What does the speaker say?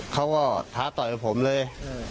เขาก็ท้าต่อยกับผมเลย